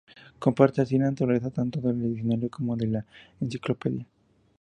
Comparte así la naturaleza tanto del diccionario como de la enciclopedia.